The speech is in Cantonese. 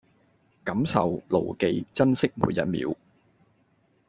感受、牢記、珍惜每一秒